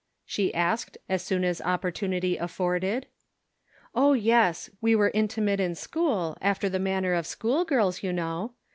" she asked as soon as opportunity af forded. " Oh, yes, we were intimate in school, after the manner of school girls, you know.